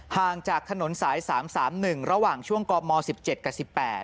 ห่างจากถนนสาย๓๓๑ระหว่างช่วงกม๑๗กับ๑๘